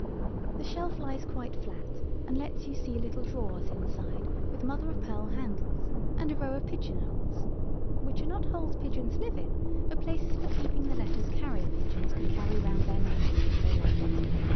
The shelf lies quite flat, and lets you see little drawers inside with mother of pearl handles—and a row of pigeon holes—(which are not holes pigeons live in, but places for keeping the letters carrier pigeons could carry round their necks if they liked).